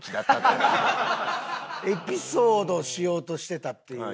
エピソードしようとしてたっていう。